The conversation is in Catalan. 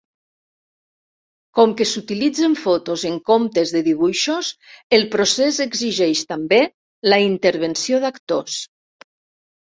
Com que s'utilitzen fotos en comptes de dibuixos, el procés exigeix també la intervenció d'actors.